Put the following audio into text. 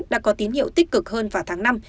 đã có tín hiệu tích cực hơn vào tháng năm